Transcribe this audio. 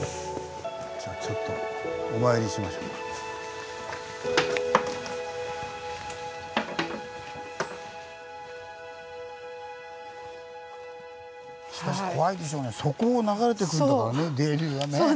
じゃあちょっとしかし怖いでしょうねそこを流れてくるんだからね泥流がね。